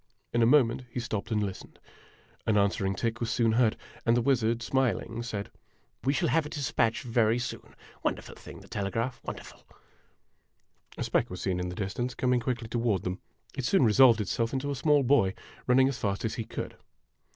In a moment he stopped and listened. An answering 46 IMAGINOTIONS tick was soon heard; and the wizard, smiling, said: "We shall have a despatch very soon ! Wonderful thing, the telegraph wonderful !' A speck was seen in the distance coming quickly toward them. It soon resolved itself into a small boy, running as fast as he could.